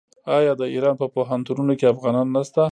آیا د ایران په پوهنتونونو کې افغانان نشته؟